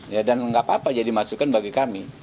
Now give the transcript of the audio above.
ya dan nggak apa apa jadi masukan bagi kami